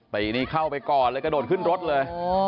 ตีนี่เข้าไปก่อนเลยกระโดดขึ้นรถเลย